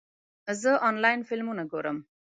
زه د انلاین فلمونه ګورم.